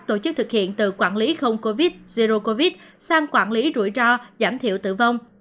việc thực hiện từ quản lý không covid zero covid sang quản lý rủi ro giảm thiệu tử vong